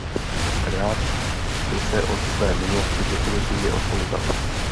Rád by se od své minulosti definitivně odpoutal.